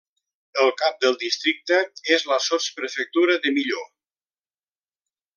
El cap del districte és la sotsprefectura de Millau.